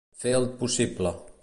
Fer el possible.